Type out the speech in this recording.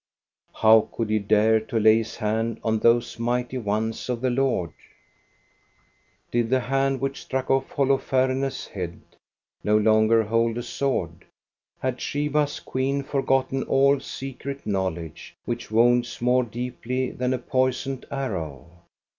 How could he dare to lay his hand on those mighty ones of the Lord ? Did the hand which struck off Holofemes' head no longer hold a sword? Had Sheba's queen for gotten all secret knowledge, which wounds more deeply than a poisoned arrow?